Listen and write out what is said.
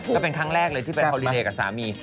ก็เป็นครั้งแรกเลยที่ไปฮอลลีเดย์กับสามี